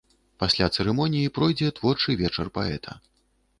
Пасля цырымоніі пройдзе творчы вечар паэта.